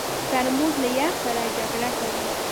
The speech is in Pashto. ترموز له یخ سره جګړه کوي.